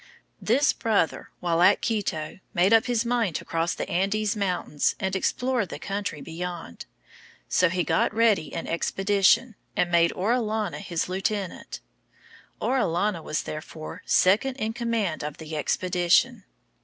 This brother, while at Quito, made up his mind to cross the Andes Mountains and explore the country beyond. So he got ready an expedition, and made Orellana his lieutenant; Orellana was, therefore, second in command of the expedition.